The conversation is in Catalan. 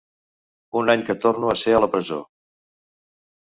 Un any que torno a ser a la presó.